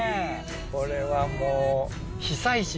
これはもう。